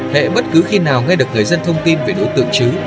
hệ bất cứ khi nào nghe được người dân thông tin về đối tượng chứ